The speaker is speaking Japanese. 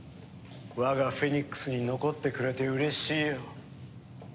我がフェニックスに残ってくれて嬉しいよ。